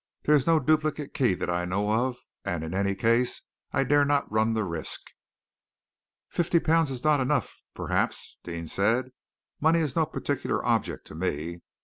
"There is no duplicate key that I know of, and in any case I dare not run the risk." "Fifty pounds is not enough, perhaps," Deane said. "Money is no particular object to me.